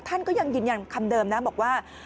ท่านก็ยังยืนยันคำเดิมนะบอกว่า